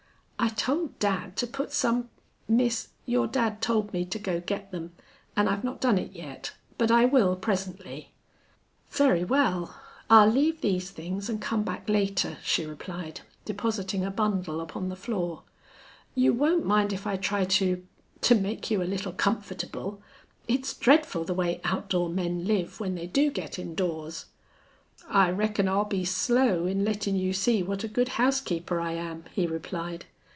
"I told dad to put some " "Miss, your dad told me to go get them, an' I've not done it yet. But I will presently." "Very well. I'll leave these things and come back later," she replied, depositing a bundle upon the floor. "You won't mind if I try to to make you a little comfortable. It's dreadful the way outdoor men live when they do get indoors." "I reckon I'll be slow in lettin' you see what a good housekeeper I am," he replied.